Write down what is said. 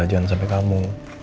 jangan sampai kamu